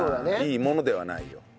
いいものではないよ。